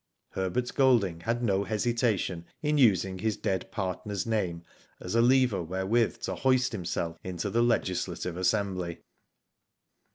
Herbert Golding had no hesitation in using his dead partner's name as a lever wherewith to hoist himself into the Legislative Assembly.